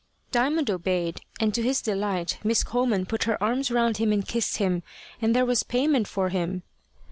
Diamond obeyed, and to his delight Miss Coleman put her arms round him and kissed him, and there was payment for him!